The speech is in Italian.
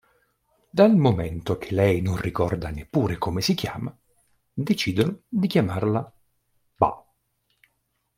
Dal momento che lei non ricorda neppure come si chiama, decidono di chiamarla Ba.